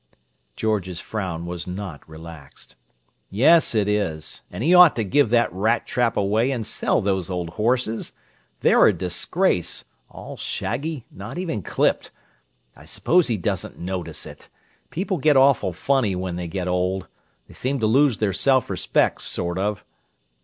George's frown was not relaxed. "Yes, it is; and he ought to give that rat trap away and sell those old horses. They're a disgrace, all shaggy—not even clipped. I suppose he doesn't notice it—people get awful funny when they get old; they seem to lose their self respect, sort of."